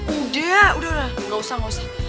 udah udah udah gak usah gak usah